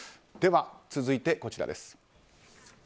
では、続いてこちらです。